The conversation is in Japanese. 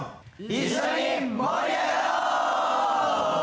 一緒に盛り上がろう！